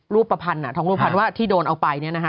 รูปประพันธ์ทองรูปภัณฑ์ว่าที่โดนเอาไป